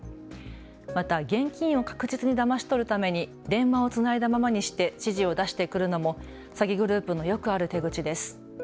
また現金を確実にだまし取るために電話をつないだままにして指示を出してくるのも詐欺グループのよくある手口です。